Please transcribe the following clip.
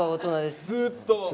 ずっと。